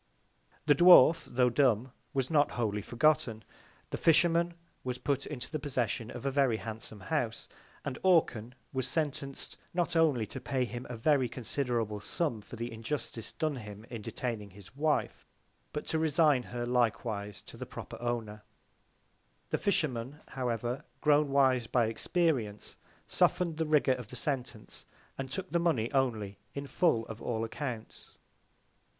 The Dwarf, tho' dumb, was not wholly forgotten. The Fisherman was put into the Possession of a very handsome House; and Orcan was sentenc'd, not only to pay him a very considerable Sum for the Injustice done him in detaining his Wife; but to resign her likewise to the proper Owner: The Fisherman, however, grown wise by Experience, soften'd the Rigour of the Sentence, and took the Money only in full of all Accounts.